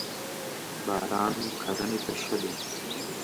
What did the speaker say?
باران کرنی ته ښه دی.